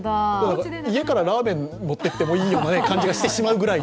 家からラーメン持ってってもいいような感じがしてしまうくらいの。